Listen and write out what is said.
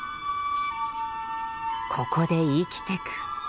ここで生きてく。